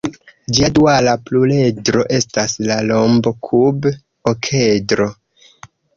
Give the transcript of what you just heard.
Ĝia duala pluredro estas la rombokub-okedro.